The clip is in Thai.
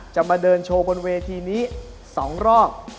มาเดินโชว์บนเวทีนี้๒รอบ